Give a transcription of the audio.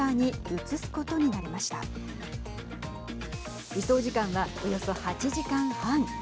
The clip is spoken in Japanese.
移送時間はおよそ８時間半。